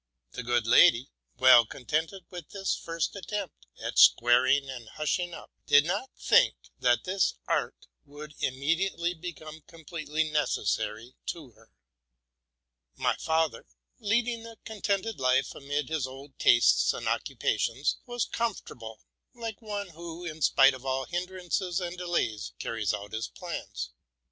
The good lady, well contented with this first attempt at squaring and hushing up, did not think that this art would immediately become completely necessary to her. My father, leading a contented life amid his old tastes and occupations, was com fortable, like one, who, in spite of all hinderances and delays, carries out his plans.